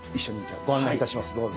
ご案内いたしますどうぞ。